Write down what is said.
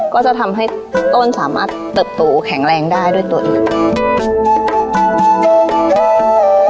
ก็จะทำให้ต้นสามารถเติบโตแข็งแรงได้ด้วยตัวเองอืม